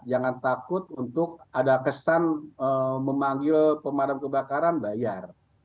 jangan takut untuk ada kesan memanggil pemadam kebakaran bayar